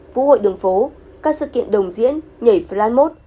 vũ hội đường phố các sự kiện đồng diễn nhảy flan mốt